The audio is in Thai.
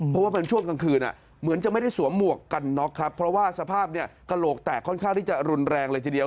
เพราะว่าเป็นช่วงกลางคืนเหมือนจะไม่ได้สวมหมวกกันน็อกครับเพราะว่าสภาพเนี่ยกระโหลกแตกค่อนข้างที่จะรุนแรงเลยทีเดียว